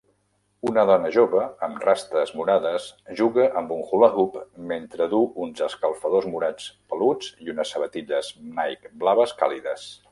Una dona jove amb rastes morades juga amb un hula hoop mentre duu uns escalfadors morats peluts i unes sabatilles Nike blaves càlides.